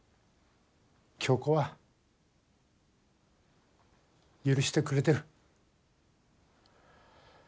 恭子は許してくれてる。